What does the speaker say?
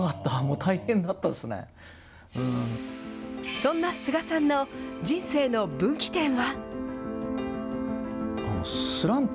そんなスガさんの人生の分岐点は。